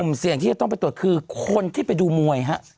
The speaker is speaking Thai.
เสี่ยงที่จะต้องไปตรวจคือคนที่ไปดูมวยฮะ